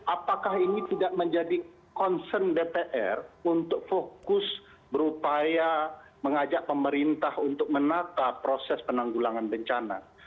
apakah ini tidak menjadi concern dpr untuk fokus berupaya mengajak pemerintah untuk menata proses penanggulangan bencana